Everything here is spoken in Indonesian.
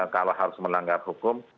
kalau harus melanggar hukum